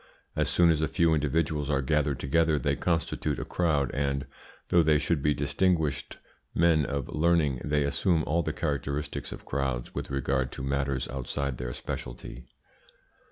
As soon as a few individuals are gathered together they constitute a crowd, and, though they should be distinguished men of learning, they assume all the characteristics of crowds with regard to matters outside their speciality.